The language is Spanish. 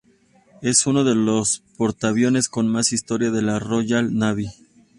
Es uno de los portaaviones con más historia de la "Royal Navy".